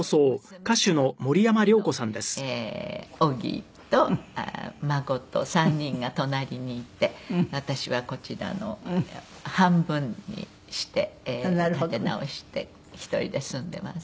娘家族と小木と孫と３人が隣にいて私はこちらのお部屋を半分にして建て直して１人で住んでいます。